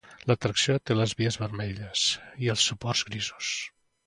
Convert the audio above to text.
L'atracció té les vies vermelles, i els suports grisos.